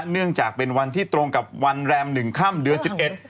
เนื่องจากเป็นวันที่ตรงกับวันแรมหนึ่งค่ำเดือนสิบเอ็ด